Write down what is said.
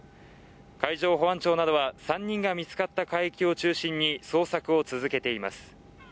海上保安庁などは３人が見つかった海域を中心に捜索を続けています